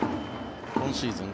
今シーズン